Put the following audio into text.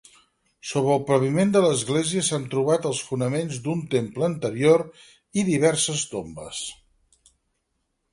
Sobre el paviment de l'església s'han trobat els fonaments d'un temple anterior i diverses tombes.